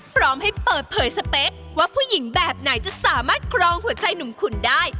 พร้อมให้เปิดเผยสเปคว่าผู้หญิงแบบไหนจะสามารถครองหัวใจหนุ่มขุนได้